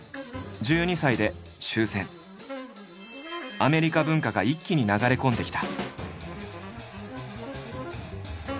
アメリカ文化が一気に流れ込んできた。